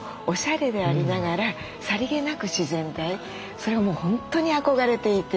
それがもう本当に憧れていて。